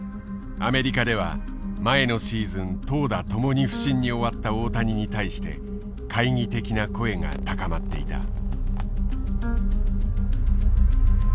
アメリカでは前のシーズン投打ともに不振に終わった大谷に対して懐疑的な声が高まっていた。